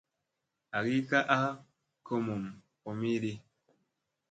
Agi ka a komom komiɗi.